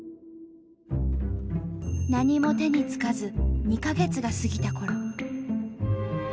何も手につかず２か月が過ぎたころ。